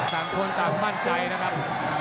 มีคนตามมั่นใจนะครับ